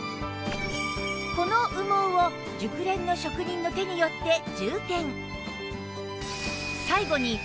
この羽毛を熟練の職人の手によって充填